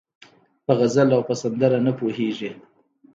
په غزل او په سندره نه پوهېږي